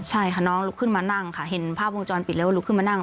ใช่ค่ะน้องลุกขึ้นมานั่งค่ะเห็นภาพวงจรปิดแล้วลุกขึ้นมานั่ง